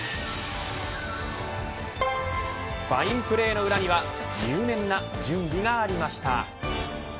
ファインプレーの裏には入念な準備がありました。